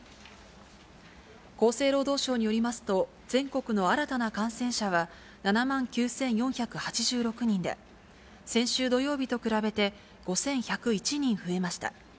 厚生労働省によりますと、全国の新たな感染者は７万９４８６人で、先週土曜日と比べて、５１０１人増えました。